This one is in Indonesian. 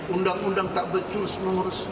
undang undang tak becus ngurus